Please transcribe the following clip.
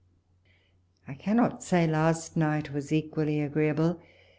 I cannot say last night was equally agreeable.